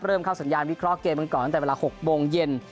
เริ่มเข้าสัญญาณวิเคราะห์เกมกันก่อนตั้งแต่เวลา๖โมงเย็น